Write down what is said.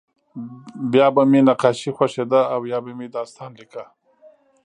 بیا به مې نقاشي خوښېده او یا به مې داستان لیکه